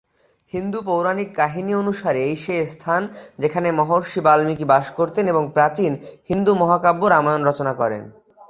হিন্দু পৌরাণিক কাহিনী অনুসারে, এই সেই স্থান যেখানে মহর্ষি বাল্মীকি বাস করতেন ও প্রাচীন হিন্দু মহাকাব্য রামায়ণ রচনা করেন।